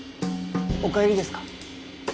お帰りですか？